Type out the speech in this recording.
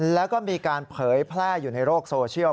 แล้วก็มีการเผยแพร่อยู่ในโลกโซเชียล